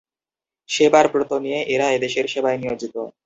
সেবার ব্রত নিয়ে এরা এদেশের সেবায় নিয়োজিত।